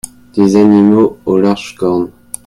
Des animaux aux larges cornes.